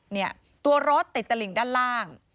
เนี่ยตัวรถติดตลิ่งด้านล่าง